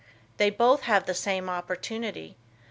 They both have the same opportunity.